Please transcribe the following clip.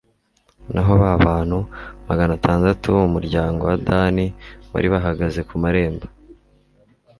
naho ba bantu magana atandatu bo mu muryango wa dani bari bahagaze ku marembo